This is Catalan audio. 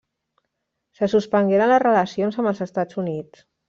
Se suspengueren les relacions amb els Estats Units.